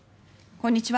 こんにちは。